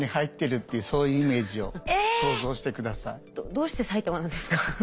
どうして埼玉なんですか？